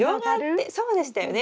そうでしたよね。